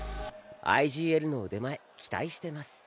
ＩＧＬの腕前期待してます。